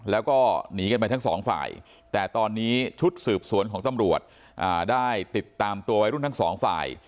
แล้วก็หนีกันไปทั้งสองฝ่ายแต่ตอนนี้ชุดสืบสวนของตำรวจได้ติดตามตัววัยรุ่นทั้งสองฝ่าย